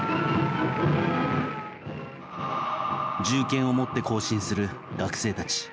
銃剣を持って行進する学生たち。